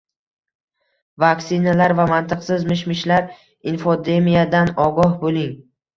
Vaksinalar va mantiqsiz mish-mishlar: infodemiyadan ogoh bo‘ling